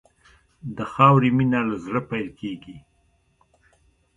د خاورې مینه له زړه پیل کېږي.